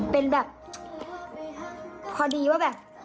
เป็นแบบพอดีว่าแบบ